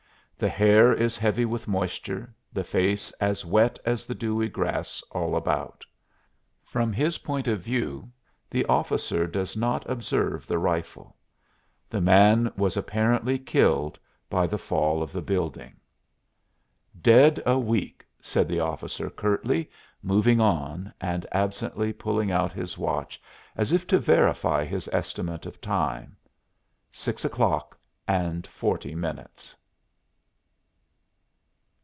The hair is heavy with moisture, the face as wet as the dewy grass all about. From his point of view the officer does not observe the rifle; the man was apparently killed by the fall of the building. "Dead a week," said the officer curtly, moving on and absently pulling out his watch as if to verify his estimate of time. Six o'clock and forty minutes.